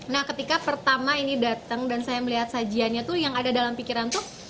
nah ketika pertama ini datang dan saya melihat sajiannya tuh yang ada dalam pikiran tuh